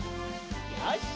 よし！